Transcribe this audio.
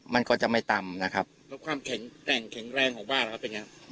มันก็จะไม่ตำนะครับแล้วความแข็งแรงของบ้านนะครับเป็นไง